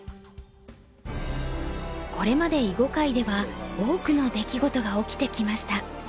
これまで囲碁界では多くの出来事が起きてきました。